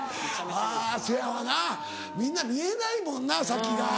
せやわなみんな見えないもんな先が。